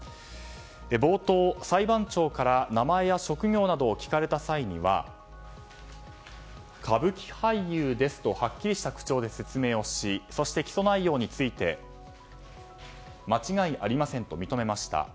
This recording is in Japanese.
冒頭、裁判長から名前や職業などを聞かれた際は歌舞伎俳優ですとはっきりとした口調で説明をしそして、起訴内容について間違いありませんと認めました。